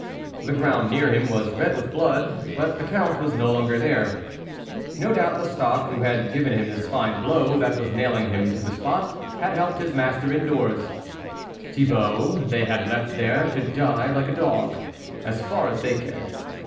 The ground near him was red with blood, but the Count was no longer there ; no doubt, Lestocq, who had given him this fine blow that was nailing him to the spot, had helped his master indoors ; Thi bault they had left there, to die like a dog, as far as they cared.